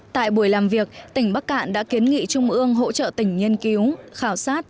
tại buổi làm việc tỉnh bắc cạn đã kiến nghị trung ương hỗ trợ tỉnh nghiên cứu khảo sát